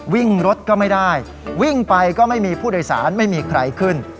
วิ่งรถก็ไม่ได้วิ่งไปก็ไม่มีผู้โดยสารไม่มีใครขึ้น